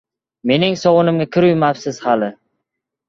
Mening sovunimga kir yuvmabsiz hali.